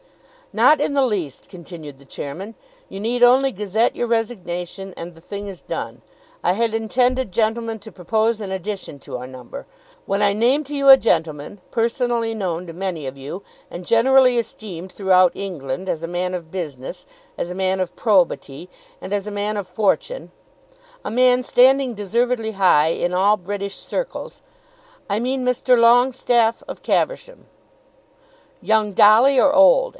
"Not in the least," continued the Chairman. "You need only gazette your resignation and the thing is done. I had intended, gentlemen, to propose an addition to our number. When I name to you a gentleman, personally known to many of you, and generally esteemed throughout England as a man of business, as a man of probity, and as a man of fortune, a man standing deservedly high in all British circles, I mean Mr. Longestaffe of Caversham " "Young Dolly, or old?"